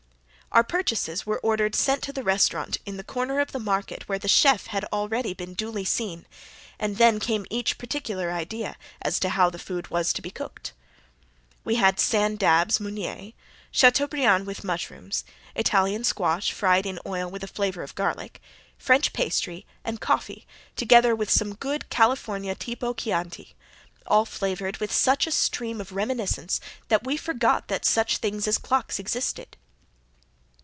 Our purchases were ordered sent to the restaurant in the corner of the market where the chef had already been duly "seen," and then came each particular idea as to how the food was to be cooked. We had sand dabs munier, chateaubriand with mushrooms, Italian squash, fried in oil with a flavor of garlic, French pastry, and coffee, together with some good California Tipo Chianti, all flavored with such a stream of reminiscence that we forgot that such things as clocks existed.